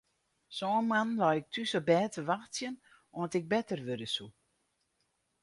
Sân moannen lei ik thús op bêd te wachtsjen oant ik better wurde soe.